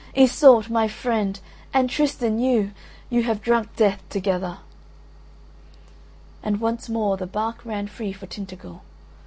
Iseult, my friend, and Tristan, you, you have drunk death together." And once more the bark ran free for Tintagel.